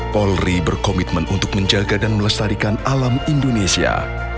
polri berkomitmen untuk menjaga dan melestarikan alam indonesia